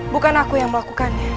bukan aku yang melakukannya